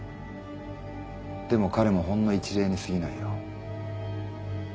でも彼もほんの一例にすぎないよ。